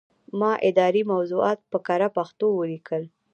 ما اداري موضوعات په کره پښتو ولیکل.